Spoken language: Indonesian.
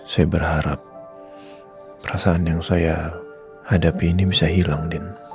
saya berharap perasaan yang saya hadapi ini bisa hilang